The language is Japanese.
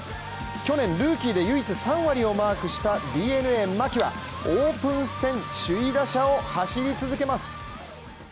去年ルーキーで唯一３割をマークしたＤｅＮＡ・牧はオープン戦首位打者を走り続けます。